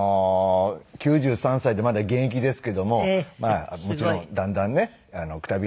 ９３歳でまだ現役ですけどももちろんだんだんねくたびれて。